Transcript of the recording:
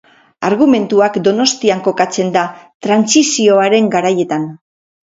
Argumentuak Donostian kokatzen da, Trantsizioaren garaietan.